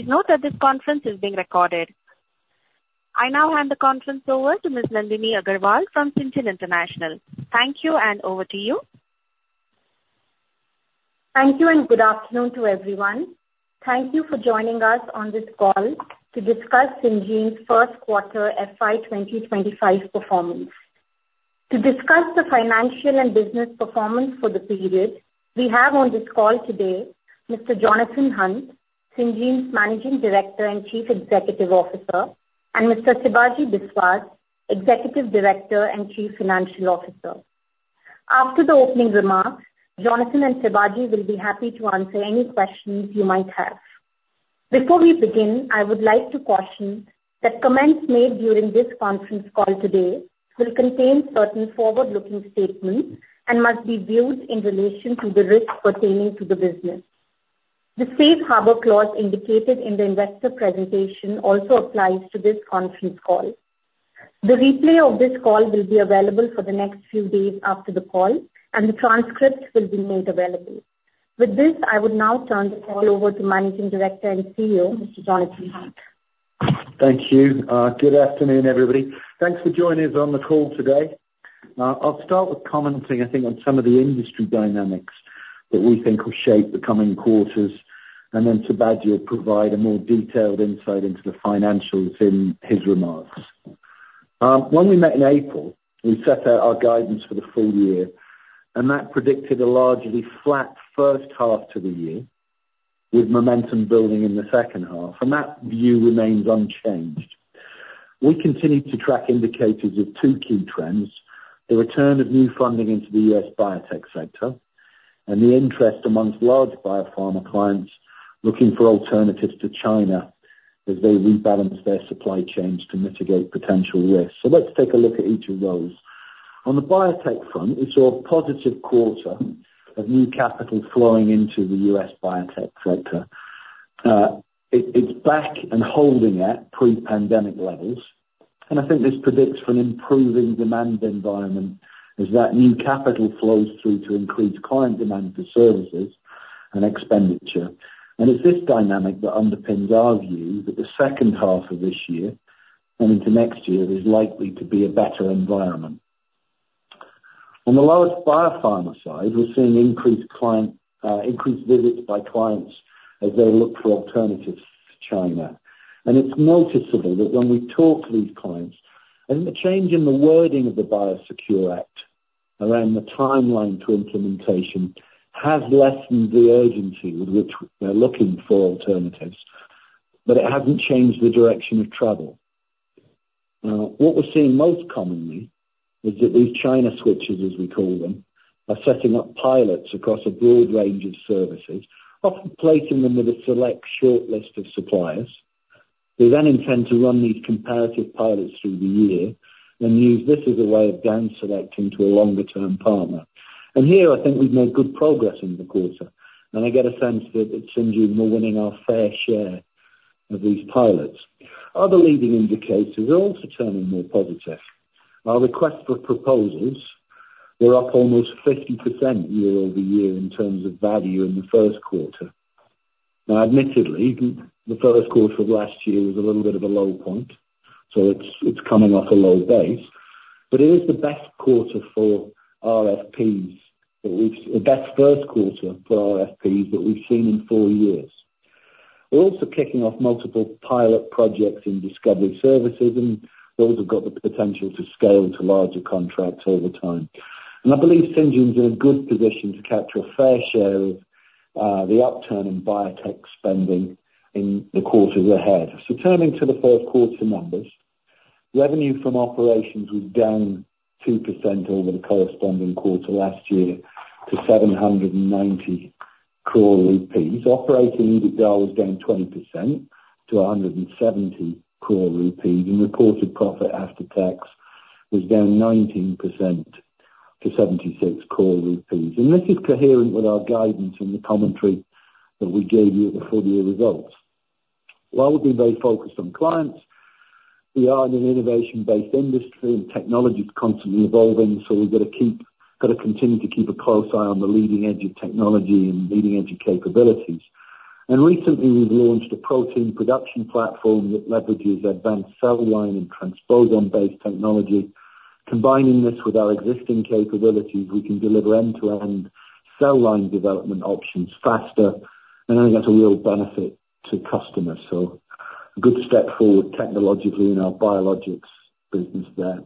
Please note that this conference is being recorded. I now hand the conference over to Ms. Nandini Agarwal from Syngene International. Thank you, and over to you. Thank you, and good afternoon to everyone. Thank you for joining us on this call to discuss Syngene's Q1 FY 2025 performance. To discuss the financial and business performance for the period, we have on this call today Mr. Jonathan Hunt, Syngene's Managing Director and Chief Executive Officer, and Mr. Sibaji Biswas, Executive Director and Chief Financial Officer. After the opening remarks, Jonathan and Sibaji will be happy to answer any questions you might have. Before we begin, I would like to caution that comments made during this conference call today will contain certain forward-looking statements and must be viewed in relation to the risks pertaining to the business. The safe harbor clause indicated in the investor presentation also applies to this conference call. The replay of this call will be available for the next few days after the call, and the transcript will be made available. With this, I would now turn the call over to Managing Director and CEO, Mr. Jonathan Hunt. Thank you. Good afternoon, everybody. Thanks for joining us on the call today. I'll start with commenting, I think, on some of the industry dynamics that we think will shape the coming quarters, and then Sibaji will provide a more detailed insight into the financials in his remarks. When we met in April, we set out our guidance for the full year, and that predicted a largely flat H1 to the year with momentum building in the H2, and that view remains unchanged. We continued to track indicators of two key trends: the return of new funding into the U.S. biotech sector and the interest amongst large biopharma clients looking for alternatives to China as they rebalance their supply chains to mitigate potential risks. So let's take a look at each of those. On the biotech front, we saw a positive quarter of new capital flowing into the U.S. biotech sector. It's back and holding at pre-pandemic levels, and I think this predicts for an improving demand environment as that new capital flows through to increase client demand for services and expenditure. It's this dynamic that underpins our view that the H2 of this year and into next year is likely to be a better environment. On the large Biopharma side, we're seeing increased visits by clients as they look for alternatives to China, and it's noticeable that when we talk to these clients, I think the change in the wording of the BIOSECURE Act around the timeline to implementation has lessened the urgency with which they're looking for alternatives, but it hasn't changed the direction of travel. What we're seeing most commonly is that these China switches, as we call them, are setting up pilots across a broad range of services, often placing them with a select short list of suppliers. They then intend to run these comparative pilots through the year and use this as a way of down-selecting to a longer-term partner. And here, I think we've made good progress in the quarter, and I get a sense that Syngene will be winning our fair share of these pilots. Other leading indicators are also turning more positive. Our request for proposals were up almost 50% year-over-year in terms of value in the Q1. Now, admittedly, the Q1 of last year was a little bit of a low point, so it's coming off a low base, but it is the best quarter for RFPs, the best Q1 for RFPs that we've seen in four years. We're also kicking off multiple pilot projects in discovery services, and those have got the potential to scale into larger contracts over time. I believe Syngene's in a good position to capture a fair share of the upturn in biotech spending in the quarters ahead. Turning to the Q4 numbers, revenue from operations was down 2% over the corresponding quarter last year to 790 crore rupees. Operating EBITDA was down 20% to 170 crore rupees, and reported profit after tax was down 19% to 76 crore. This is coherent with our guidance and the commentary that we gave you at the full-year results. While we've been very focused on clients, we are in an innovation-based industry, and technology's constantly evolving, so we've got to continue to keep a close eye on the leading edge of technology and leading edge of capabilities. Recently, we've launched a protein production platform that leverages advanced cell line and transposon-based technology. Combining this with our existing capabilities, we can deliver end-to-end cell line development options faster, and I think that's a real benefit to customers. A good step forward technologically in our biologics business there.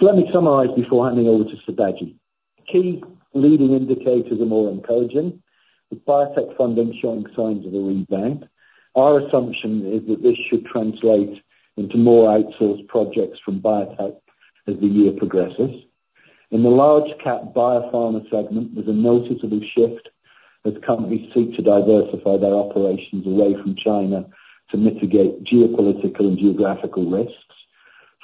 Let me summarize before handing over to Sibaji. Key leading indicators are more encouraging. The biotech funding is showing signs of a rebound. Our assumption is that this should translate into more outsourced projects from biotech as the year progresses. In the large-cap biopharma segment, there's a noticeable shift as companies seek to diversify their operations away from China to mitigate geopolitical and geographical risks.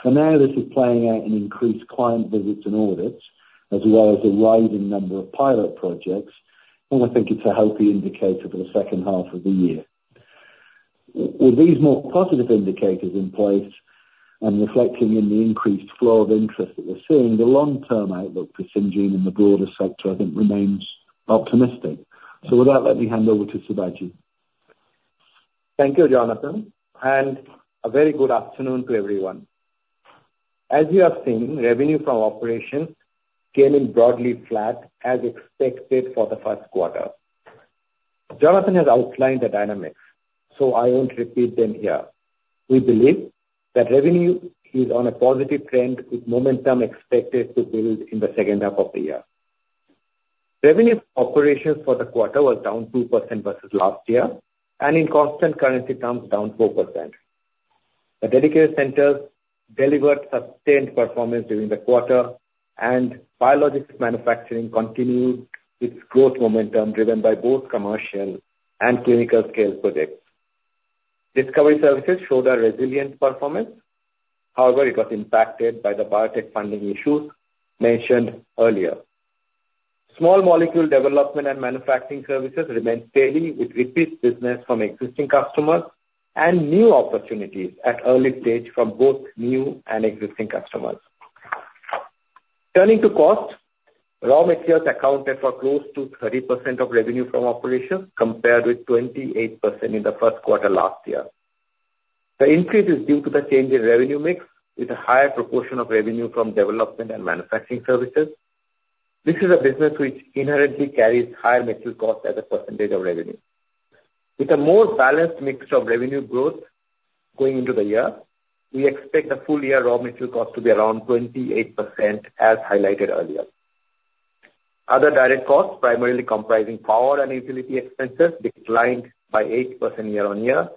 For now, this is playing out in increased client visits and audits, as well as a rising number of pilot projects, and I think it's a healthy indicator for the H2 of the year. With these more positive indicators in place and reflecting in the increased flow of interest that we're seeing, the long-term outlook for Syngene in the broader sector, I think, remains optimistic. So with that, let me hand over to Sibaji. Thank you, Jonathan, and a very good afternoon to everyone. As you have seen, revenue from operations came in broadly flat, as expected, for the Q1. Jonathan has outlined the dynamics, so I won't repeat them here. We believe that revenue is on a positive trend, with momentum expected to build in the H2 of the year. Revenue from operations for the quarter was down 2% versus last year, and in constant currency terms, down 4%. The dedicated centers delivered sustained performance during the quarter, and biologics manufacturing continued its growth momentum driven by both commercial and clinical-scale projects. Discovery services showed a resilient performance. However, it was impacted by the biotech funding issues mentioned earlier. Small molecule development and manufacturing services remained steady, with repeat business from existing customers and new opportunities at early stage from both new and existing customers. Turning to costs, raw materials accounted for close to 30% of revenue from operations, compared with 28% in the Q1 last year. The increase is due to the change in revenue mix, with a higher proportion of revenue from development and manufacturing services. This is a business which inherently carries higher material costs as a percentage of revenue. With a more balanced mix of revenue growth going into the year, we expect the full-year raw material costs to be around 28%, as highlighted earlier. Other direct costs, primarily comprising power and utility expenses, declined by 8% year-over-year,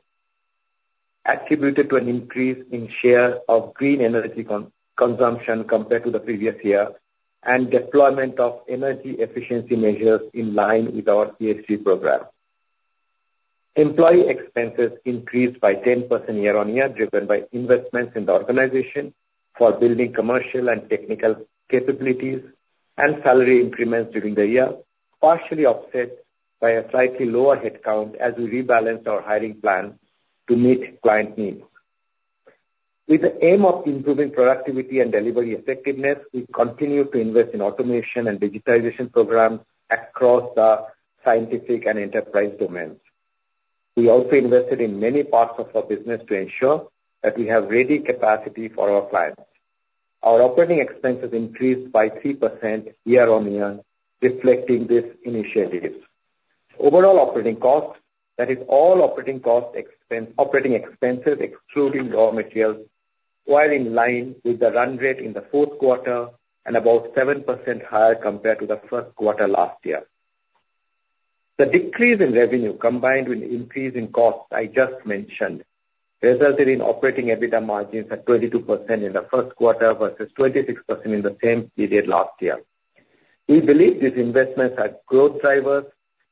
attributed to an increase in share of green energy consumption compared to the previous year, and deployment of energy efficiency measures in line with our P3 program. Employee expenses increased by 10% year-on-year, driven by investments in the organization for building commercial and technical capabilities and salary increments during the year, partially offset by a slightly lower headcount as we rebalanced our hiring plan to meet client needs. With the aim of improving productivity and delivery effectiveness, we continue to invest in automation and digitization programs across the scientific and enterprise domains. We also invested in many parts of our business to ensure that we have ready capacity for our clients. Our operating expenses increased by 3% year-on-year, reflecting this initiative. Overall operating costs, that is, all operating expenses, excluding raw materials, were in line with the run rate in the Q4 and about 7% higher compared to the Q1 last year. The decrease in revenue, combined with the increase in costs I just mentioned, resulted in operating EBITDA margins at 22% in the Q1 versus 26% in the same period last year. We believe these investments are growth drivers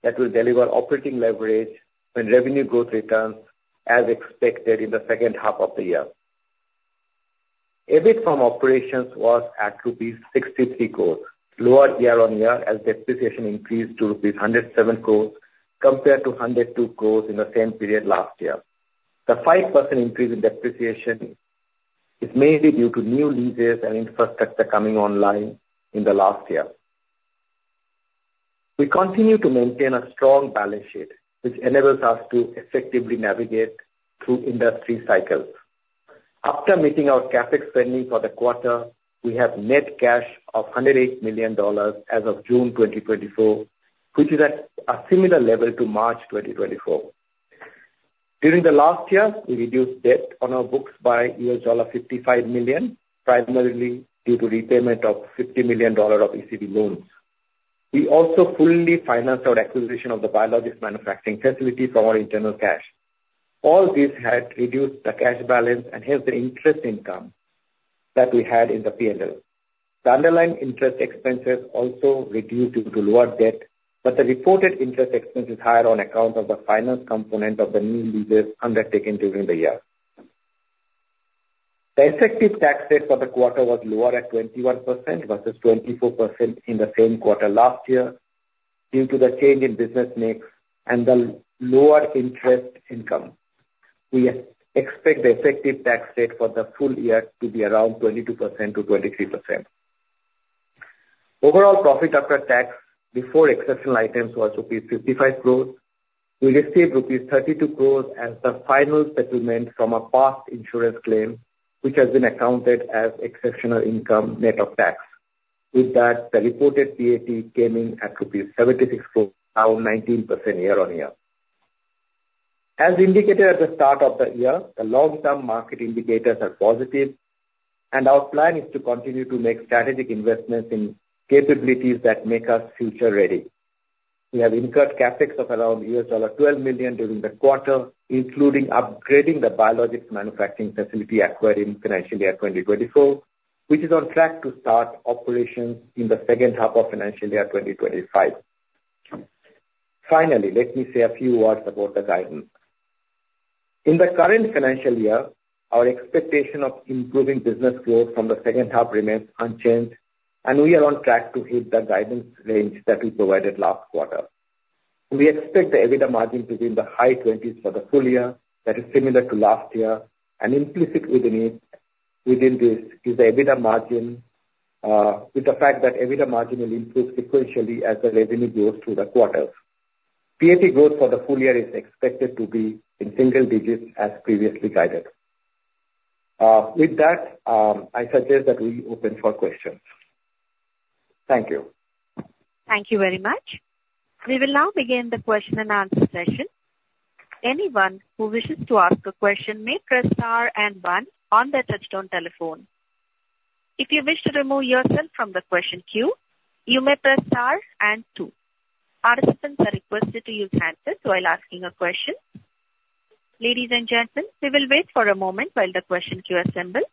that will deliver operating leverage when revenue growth returns as expected in the H2 of the year. EBIT from operations was at rupees 63 crore, lower year-on-year as depreciation increased to rupees 107 crore compared to 102 crore in the same period last year. The 5% increase in depreciation is mainly due to new leases and infrastructure coming online in the last year. We continue to maintain a strong balance sheet, which enables us to effectively navigate through industry cycles. After meeting our CAPEX spending for the quarter, we have net cash of $108 million as of June 2024, which is at a similar level to March 2024. During the last year, we reduced debt on our books by $55 million, primarily due to repayment of $50 million of ECB loans. We also fully financed our acquisition of the biologics manufacturing facility from our internal cash. All this had reduced the cash balance and hence the interest income that we had in the P&L. The underlying interest expenses also reduced due to lower debt, but the reported interest expense is higher on account of the finance component of the new leases undertaken during the year. The effective tax rate for the quarter was lower at 21% versus 24% in the same quarter last year due to the change in business mix and the lower interest income. We expect the effective tax rate for the full year to be around 22%-23%. Overall profit after tax, before exceptional items, was rupees 55 crore. We received rupees 32 crore as the final settlement from a past insurance claim, which has been accounted as exceptional income net of tax. With that, the reported PAT came in at rupees 76 crore, down 19% year-on-year. As indicated at the start of the year, the long-term market indicators are positive, and our plan is to continue to make strategic investments in capabilities that make us future-ready. We have incurred CAPEX of around $12 million during the quarter, including upgrading the biologics manufacturing facility acquired in financial year 2024, which is on track to start operations in the H2 of financial year 2025. Finally, let me say a few words about the guidance. In the current financial year, our expectation of improving business growth from the H2 remains unchanged, and we are on track to hit the guidance range that we provided last quarter. We expect the EBITDA margin to be in the high 20s for the full year, that is similar to last year, and implicit within this is the EBITDA margin, with the fact that EBITDA margin will improve sequentially as the revenue grows through the quarters. PAT growth for the full year is expected to be in single digits, as previously guided. With that, I suggest that we open for questions. Thank you. Thank you very much. We will now begin the question and answer session. Anyone who wishes to ask a question may press star and one on the touch-tone telephone. If you wish to remove yourself from the question queue, you may press star and two. Participants are requested to use handsets while asking a question. Ladies and gentlemen, we will wait for a moment while the question queue assembles.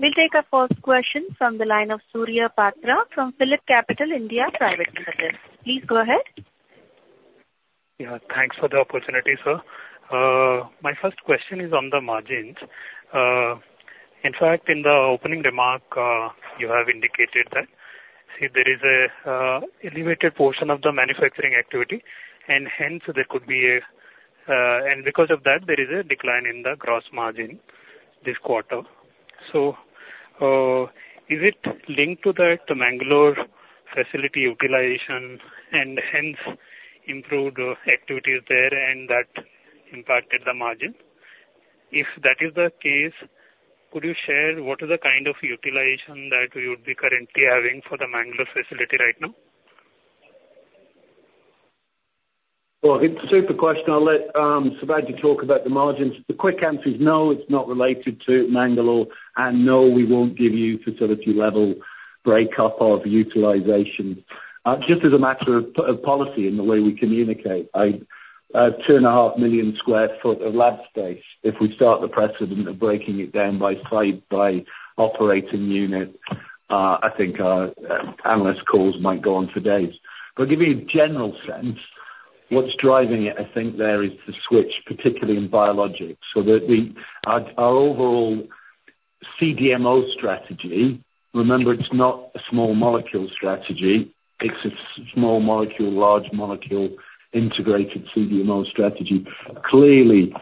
We'll take a first question from the line of Surya Patra from PhillipCapital (India) Pvt Ltd. Please go ahead. Yeah, thanks for the opportunity, sir. My first question is on the margins. In fact, in the opening remark, you have indicated that there is an elevated portion of the manufacturing activity, and hence there could be a decline and because of that, there is a decline in the gross margin this quarter. So is it linked to the Mangalore facility utilization and hence improved activities there, and that impacted the margin? If that is the case, could you share what is the kind of utilization that we would be currently having for the Mangalore facility right now? Well, it's a stupid question. I'll let Sibaji talk about the margins. The quick answer is no, it's not related to Mangalore, and no, we won't give you facility-level breakup of utilization. Just as a matter of policy in the way we communicate, 2.5 million sq ft of lab space, if we start the precedent of breaking it down by operating unit, I think our analyst calls might go on for days. But give you a general sense, what's driving it, I think, there is the switch, particularly in biologics, so that our overall CDMO strategy, remember, it's not a small molecule strategy. It's a small molecule, large molecule integrated CDMO strategy. Clearly,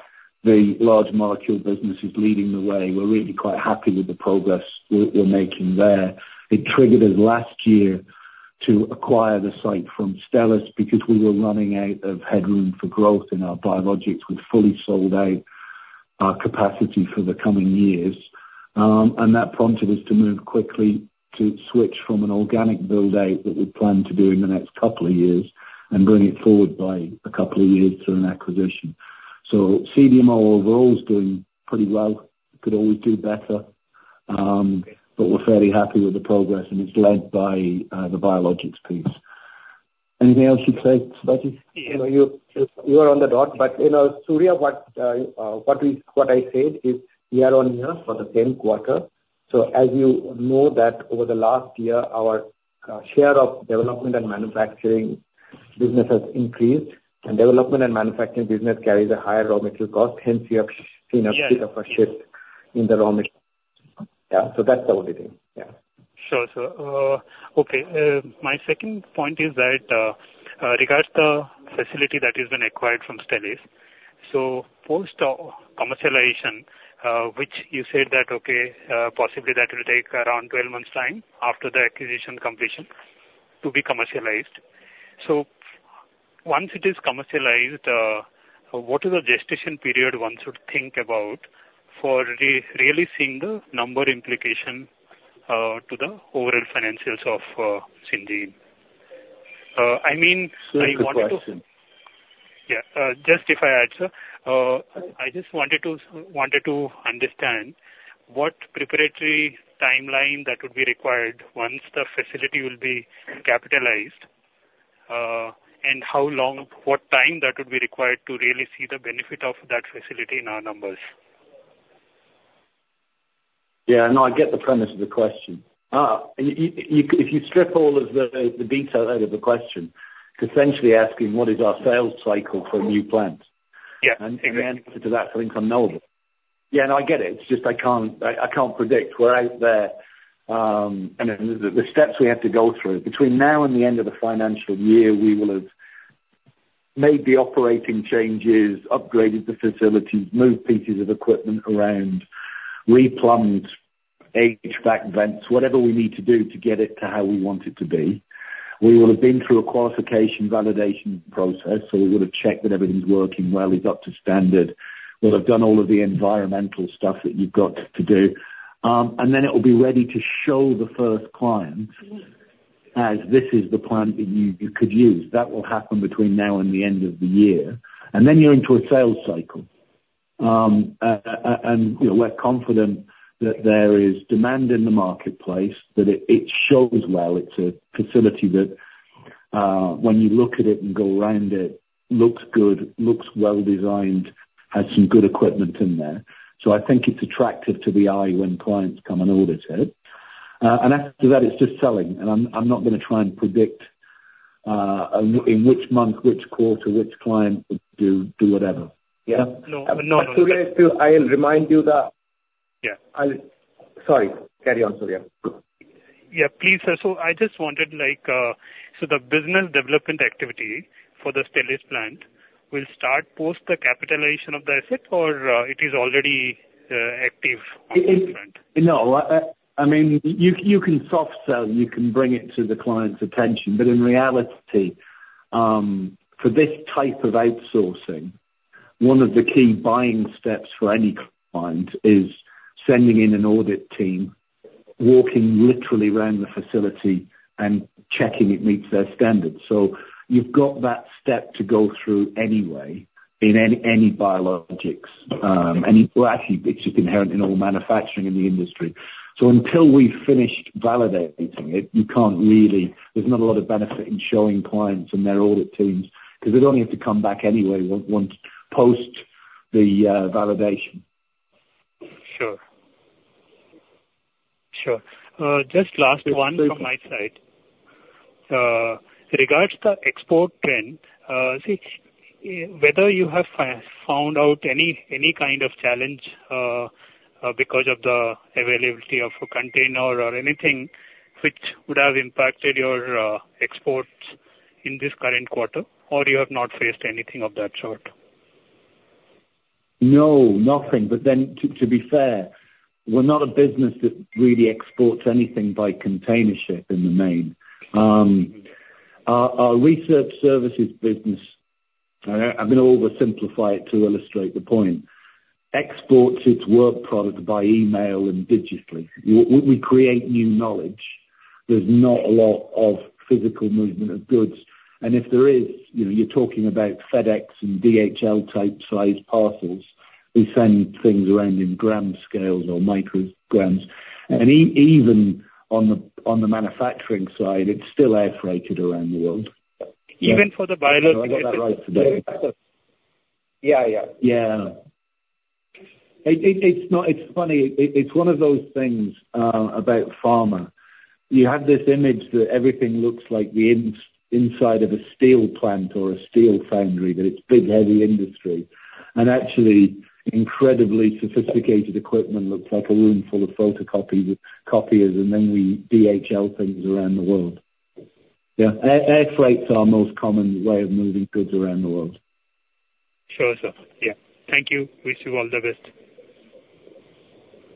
the large molecule business is leading the way. We're really quite happy with the progress we're making there. It triggered us last year to acquire the site from Stelis because we were running out of headroom for growth in our biologics with fully sold-out capacity for the coming years. And that prompted us to move quickly to switch from an organic build-out that we plan to do in the next couple of years and bring it forward by a couple of years through an acquisition. So CDMO overall is doing pretty well. It could always do better, but we're fairly happy with the progress, and it's led by the biologics piece. Anything else you'd say, Sibaji? You were on the dot. But Surya, what I said is year-on-year for the same quarter. So as you know, over the last year, our share of development and manufacturing business has increased, and development and manufacturing business carries a higher raw material cost. Hence, you have seen a bit of a shift in the raw material. Yeah, so that's the only thing. Yeah. Sure, sir. Okay. My second point is regarding the facility that has been acquired from Stelis. So post-commercialization, which you said that, okay, possibly that will take around 12 months' time after the acquisition completion to be commercialized. So once it is commercialized, what is the gestation period one should think about for really seeing the number implication to the overall financials of Syngene? I mean, I wanted to. Sure, question. Yeah. Just if I had, sir, I just wanted to understand what preparatory timeline that would be required once the facility will be capitalized, and what time that would be required to really see the benefit of that facility in our numbers? Yeah, no, I get the premise of the question. If you strip all of the detail out of the question, it's essentially asking what is our sales cycle for a new plant. The answer to that, I think, is unknowable. Yeah, no, I get it. It's just I can't predict we're out there, and the steps we have to go through. Between now and the end of the financial year, we will have made the operating changes, upgraded the facilities, moved pieces of equipment around, replumbed, HVAC vents, whatever we need to do to get it to how we want it to be. We will have been through a qualification validation process, so we will have checked that everything's working well, is up to standard, we'll have done all of the environmental stuff that you've got to do, and then it will be ready to show the first clients as, "This is the plant that you could use." That will happen between now and the end of the year. And then you're into a sales cycle. And we're confident that there is demand in the marketplace, that it shows well. It's a facility that, when you look at it and go around it, looks good, looks well-designed, has some good equipment in there. So I think it's attractive to the eye when clients come and audit it. And after that, it's just selling. And I'm not going to try and predict in which month, which quarter, which client will do whatever. Yeah? No, no. I'll remind you that. Yeah. Sorry. Carry on, Surya. Yeah, please, sir. So I just wanted to ask, so the business development activity for the Stelis plant will start post the capitalization of the asset, or it is already active on the plant? No. I mean, you can soft sell. You can bring it to the client's attention. But in reality, for this type of outsourcing, one of the key buying steps for any client is sending in an audit team, walking literally around the facility and checking it meets their standards. So you've got that step to go through anyway in any biologics. Well, actually, it's just inherent in all manufacturing in the industry. So until we've finished validating it, you can't really. There's not a lot of benefit in showing clients and their audit teams because they don't have to come back anyway once post the validation. Sure. Sure. Just last one from my side. Regarding the export trend, see, whether you have found out any kind of challenge because of the availability of a container or anything which would have impacted your exports in this current quarter, or you have not faced anything of that sort? No, nothing. But then, to be fair, we're not a business that really exports anything by container ship in the main. Our research services business I'm going to oversimplify it to illustrate the point exports its work product by email and digitally. We create new knowledge. There's not a lot of physical movement of goods. And if there is, you're talking about FedEx and DHL-type sized parcels. We send things around in gram scales or micrograms. And even on the manufacturing side, it's still air freighted around the world. Even for the biologics. I'm not sure I got that right today. Yeah, yeah. Yeah. It's funny. It's one of those things about pharma. You have this image that everything looks like the inside of a steel plant or a steel foundry, that it's big, heavy industry. Actually, incredibly sophisticated equipment looks like a room full of photocopiers, and then we DHL things around the world. Yeah. Air Freights are our most common way of moving goods around the world. Sure, sir. Yeah. Thank you. Wish you all the best.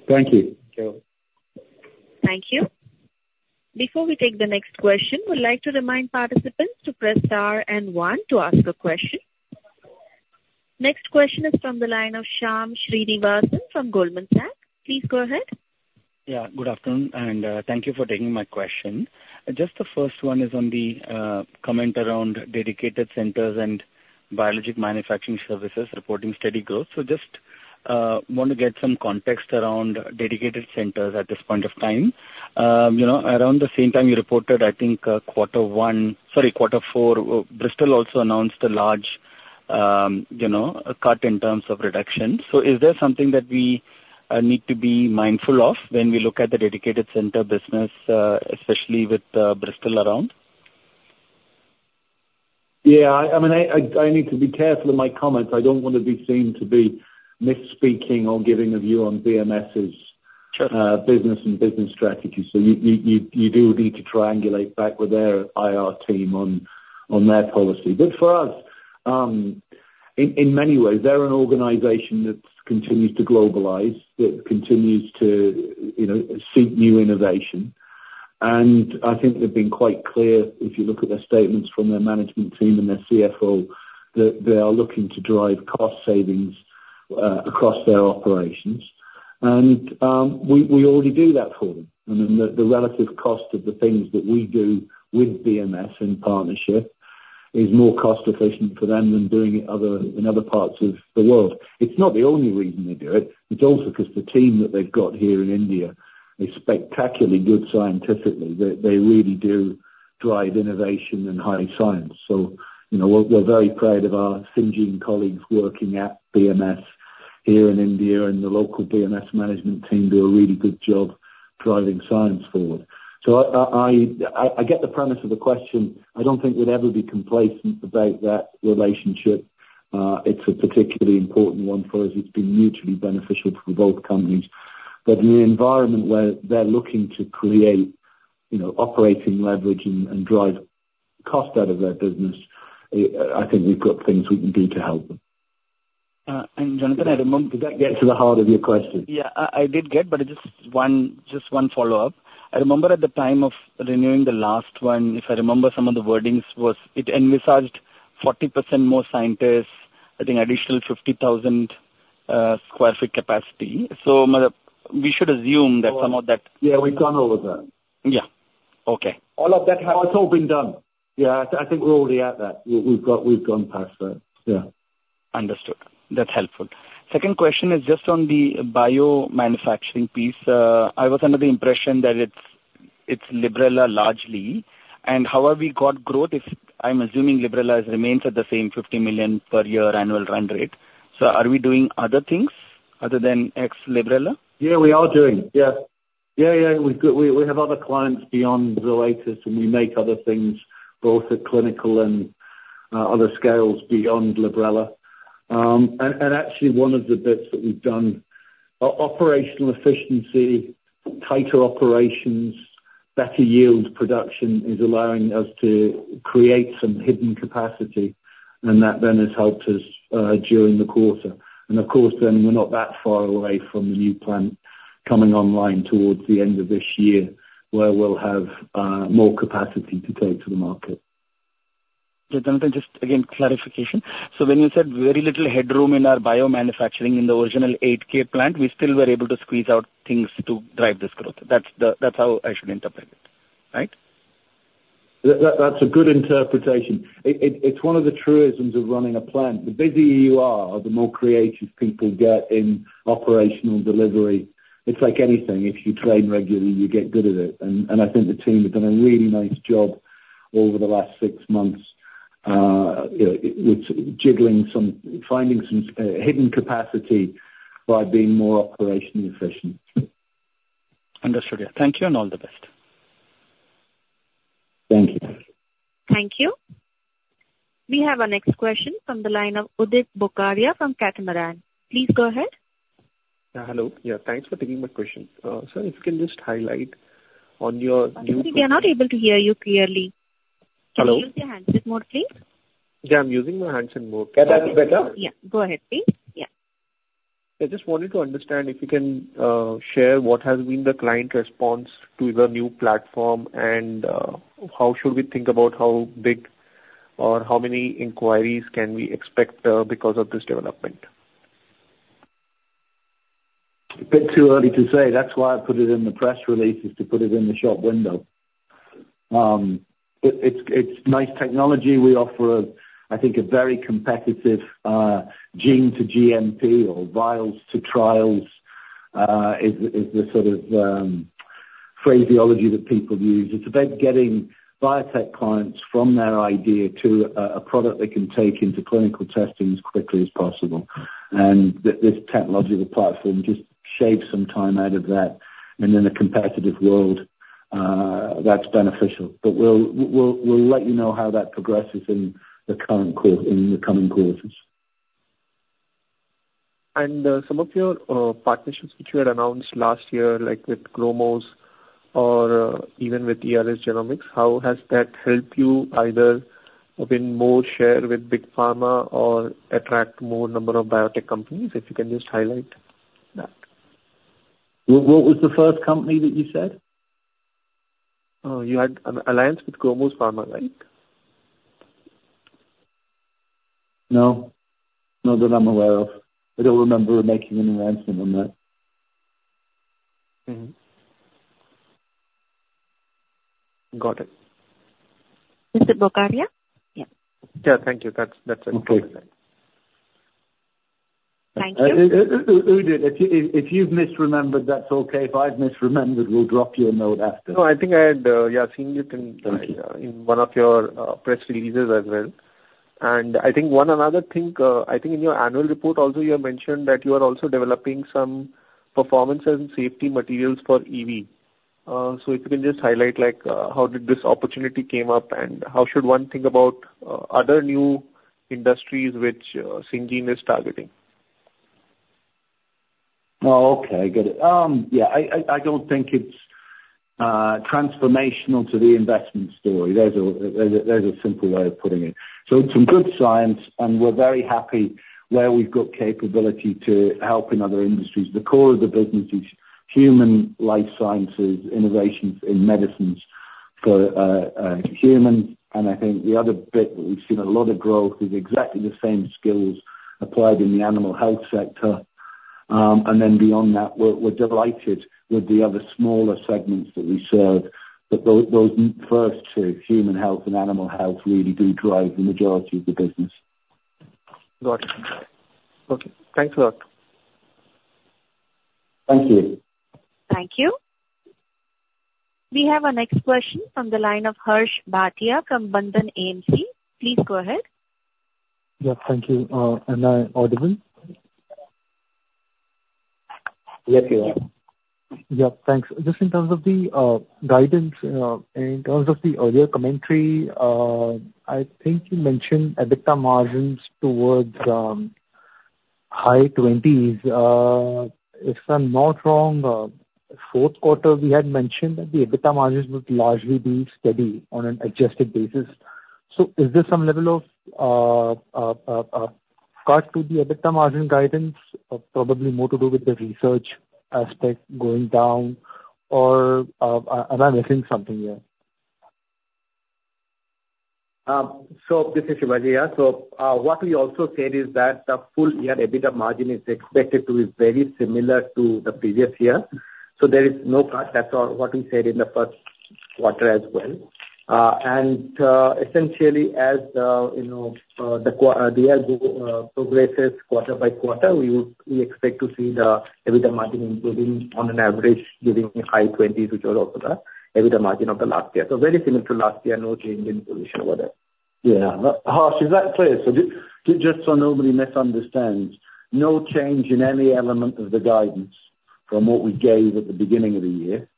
Thank you. Thank you. Thank you. Before we take the next question, we'd like to remind participants to press star and one to ask a question. Next question is from the line of Shyam Srinivasan from Goldman Sachs. Please go ahead. Yeah. Good afternoon, and thank you for taking my question. Just the first one is on the comment around dedicated centers and biologic manufacturing services reporting steady growth. So just want to get some context around dedicated centers at this point of time. Around the same time, you reported, I think, quarter one, sorry, quarter four. Bristol also announced a large cut in terms of reduction. So is there something that we need to be mindful of when we look at the dedicated center business, especially with Bristol around? Yeah. I mean, I need to be careful in my comments. I don't want to be seen to be misspeaking or giving a view on BMS's business and business strategy. So you do need to triangulate back with their IR team on their policy. But for us, in many ways, they're an organization that continues to globalize, that continues to seek new innovation. And I think they've been quite clear, if you look at their statements from their management team and their CFO, that they are looking to drive cost savings across their operations. And we already do that for them. I mean, the relative cost of the things that we do with BMS in partnership is more cost-efficient for them than doing it in other parts of the world. It's not the only reason they do it. It's also because the team that they've got here in India is spectacularly good scientifically. They really do drive innovation and high science. So we're very proud of our Syngene colleagues working at BMS here in India, and the local BMS management team do a really good job driving science forward. So I get the premise of the question. I don't think we'd ever be complacent about that relationship. It's a particularly important one for us. It's been mutually beneficial for both companies. But in the environment where they're looking to create operating leverage and drive cost out of their business, I think we've got things we can do to help them. Jonathan, I remember that. Did that get to the heart of your question? Yeah, I did get, but just one follow-up. I remember at the time of renewing the last one, if I remember, some of the wordings was it envisaged 40% more scientists, I think additional 50,000 sq ft capacity. So we should assume that some of that. Yeah, we've gone over that. Yeah. Okay. All of that has also been done. Yeah, I think we're already at that. We've gone past that. Yeah. Understood. That's helpful. Second question is just on the biomanufacturing piece. I was under the impression that it's Librela largely. And how have we got growth? I'm assuming Librela remains at the same $50 million per year annual run rate. So are we doing other things other than ex-Librela? Yeah, we are doing. Yeah. Yeah, yeah. We have other clients beyond Zoetis, and we make other things, both at clinical and other scales beyond Librela. And actually, one of the bits that we've done, operational efficiency, tighter operations, better yield production is allowing us to create some hidden capacity, and that then has helped us during the quarter. And of course, then we're not that far away from the new plant coming online towards the end of this year where we'll have more capacity to take to the market. Yeah, Jonathan, just again, clarification. So when you said very little headroom in our bio manufacturing in the original 8K plant, we still were able to squeeze out things to drive this growth. That's how I should interpret it, right? That's a good interpretation. It's one of the truisms of running a plant. The busier you are, the more creative people get in operational delivery. It's like anything. If you train regularly, you get good at it. I think the team have done a really nice job over the last six months with finding some hidden capacity by being more operationally efficient. Understood. Thank you and all the best. Thank you. Thank you. We have a next question from the line of Udit Bokaria from Catamaran. Please go ahead. Hello. Yeah, thanks for taking my question. Sir, if you can just highlight on your. Sorry, we are not able to hear you clearly. Hello? Can you use your hands a bit more, please? Yeah, I'm using my hands a bit more. Yeah, that's better. Yeah, go ahead, please. Yeah. I just wanted to understand if you can share what has been the client response to the new platform and how should we think about how big or how many inquiries can we expect because of this development? A bit too early to say. That's why I put it in the press release, is to put it in the shop window. It's nice technology. We offer, I think, a very competitive gene to GMP or vials to trials is the sort of phraseology that people use. It's about getting biotech clients from their idea to a product they can take into clinical testing as quickly as possible. And this technological platform just shaves some time out of that. And in a competitive world, that's beneficial. But we'll let you know how that progresses in the coming quarters. Some of your partnerships which you had announced last year, like with Ginkgo Bioworks or even with ERS Genomics, how has that helped you either win more share with big pharma or attract more number of biotech companies? If you can just highlight that. What was the first company that you said? Oh, you had an alliance with Ginkgo Bioworks, right? No. Not that I'm aware of. I don't remember making an announcement on that. Got it. Mr. Bokaria? Yeah. Yeah, thank you. That's it. Okay. Thank you. If you've misremembered, that's okay. If I've misremembered, we'll drop you a note after. No, I think I had, yeah, seen you in one of your press releases as well. And I think one other thing, I think in your annual report, also, you have mentioned that you are also developing some performance and safety materials for EV. So if you can just highlight how did this opportunity came up and how should one think about other new industries which Syngene is targeting. Oh, okay. Good. Yeah, I don't think it's transformational to the investment story. There's a simple way of putting it. So it's some good science, and we're very happy where we've got capability to help in other industries. The core of the business is human life sciences, innovations in medicines for humans. And I think the other bit that we've seen a lot of growth is exactly the same skills applied in the animal health sector. And then beyond that, we're delighted with the other smaller segments that we serve. But those first two, human health and animal health, really do drive the majority of the business. Got it. Okay. Thanks a lot. Thank you. Thank you. We have a next question from the line of Harsh Bhatia from Bandhan AMC. Please go ahead. Yeah, thank you. Am I, audioble. Yes, you are. Yeah, thanks. Just in terms of the guidance, in terms of the earlier commentary, I think you mentioned EBITDA margins towards high 20s%. If I'm not wrong, Q4, we had mentioned that the EBITDA margins would largely be steady on an adjusted basis. So is there some level of cut to the EBITDA margin guidance, probably more to do with the research aspect going down, or am I missing something here? So this is Sibaji. Yeah. So what we also said is that the full year EBITDA margin is expected to be very similar to the previous year. So there is no cut. That's what we said in the Q1 as well. And essentially, as the year progresses quarter by quarter, we expect to see the EBITDA margin improving on an average, giving high 20s, which was also the EBITDA margin of the last year. So very similar to last year, no change in position over there. Yeah. Harsh, is that clear? So just so nobody misunderstands, no change in any element of the guidance from what we gave at the beginning of the year.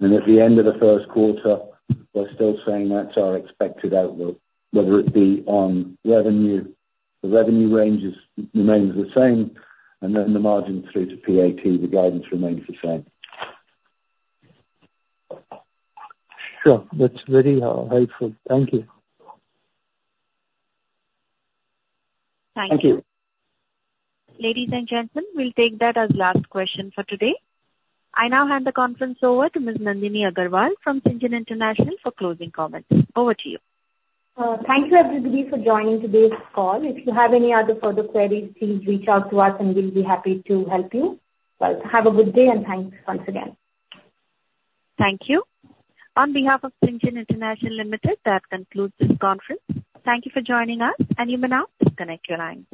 And at the end of the Q1, we're still saying that's our expected outlook, whether it be on revenue. The revenue range remains the same, and then the margin through to PAT, the guidance remains the same. Sure. That's very helpful. Thank you. Thank you. Thank you. Ladies and gentlemen, we'll take that as last question for today. I now hand the conference over to Ms. Nandini Agarwal from Syngene International for closing comments. Over to you. Thank you, everybody, for joining today's call. If you have any other further queries, please reach out to us, and we'll be happy to help you. Well, have a good day, and thanks once again. Thank you. On behalf of Syngene International Limited, that concludes this conference. Thank you for joining us, and you may now disconnect your line.